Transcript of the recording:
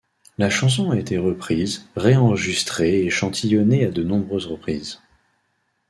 La chanson a été reprise, réenregistrée et échantillonnée à de nombreuses reprises.